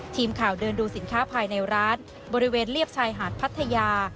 ทีมข่าวเดินดูสินค้าภายในร้านบริเวณเรียบชายหาดพัทยา